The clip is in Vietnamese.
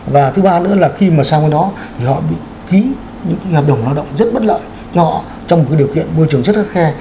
và thứ ba nữa là khi mà sang bên đó thì họ bị ký những cái hợp đồng lao động rất bất lợi cho họ trong một cái điều kiện môi trường rất khắc khe